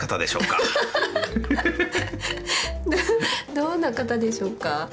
どんな方でしょうか？